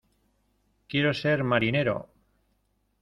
¡Quiero ser marinero!